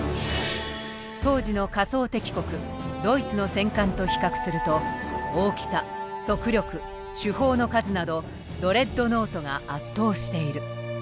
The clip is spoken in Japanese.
当時の仮想敵国ドイツの戦艦と比較すると大きさ速力主砲の数などドレッドノートが圧倒している。